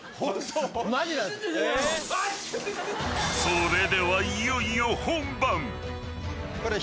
［それではいよいよ本番］